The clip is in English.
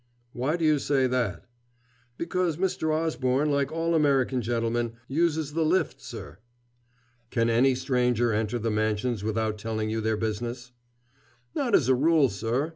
"Why do you say that?" "Because Mr. Osborne, like all American gentlemen, uses the lift, sir." "Can any stranger enter the Mansions without telling you their business?" "Not as a rule, sir.